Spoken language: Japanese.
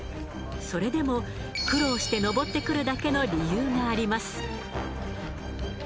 それでも苦労して登ってくるだけの理由があります。